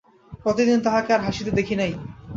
কতদিন তাহাকে আর হাসিতে দেখি নাই।